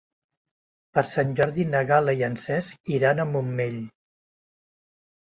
Per Sant Jordi na Gal·la i en Cesc iran al Montmell.